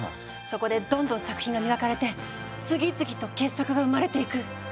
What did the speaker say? そこでどんどん作品が磨かれて次々と傑作が生まれていく。